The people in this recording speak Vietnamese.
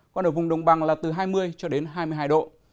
còn ở vùng đồng bằng là từ hai mươi cho đến hai mươi hai độ